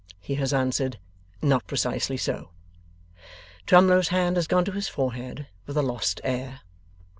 He has answered, 'Not precisely so.' Twemlow's hand has gone to his forehead with a lost air.